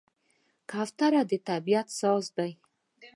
کوتره د طبیعت ساز ده.